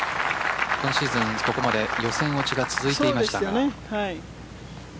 今シーズン、ここまで予選落ちが続いていました。